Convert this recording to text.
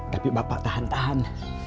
tapi bapak tahan tahan